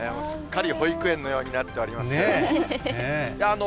すっかり保育園のようになっております。